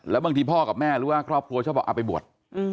แล้วบางทีพ่อกับแม่หรือว่าครอบครัวชอบบอกเอาไปบวช